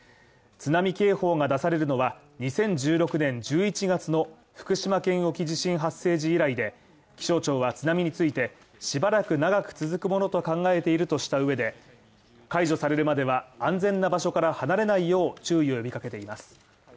津波警報が出されるのは、２０１６年１１月の福島県沖地震発生時以来で気象庁は津波についてしばらく長く続くものと考えているとした上で、解除されるまでは安全な場所から離れないよう注意を呼びかけています。